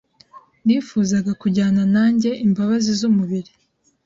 Nifuzaga kujyana nanjye imbabazi zumubiri